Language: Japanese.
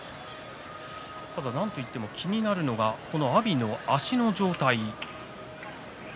ただ、なんと言っても気になるのは阿炎の足の状態。